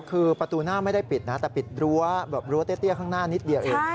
คือประตูหน้าไม่ได้ปิดนะแต่ปิดรั้วแบบรั้วเตี้ยข้างหน้านิดเดียวเอง